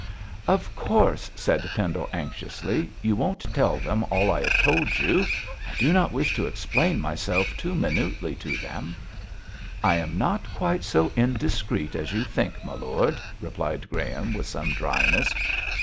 'Of course,' said Pendle, anxiously, 'you won't tell them all I have told you! I do not wish to explain myself too minutely to them.' 'I am not quite so indiscreet as you think, my lord,' replied Graham, with some dryness.